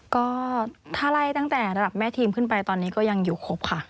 ก็ถ้าไล่ตั้งแต่ระดับแม่ทีมขึ้นไปตอนนี้ก็ยังอยู่ครบค่ะ